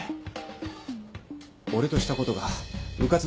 俺としたことがうかつだった。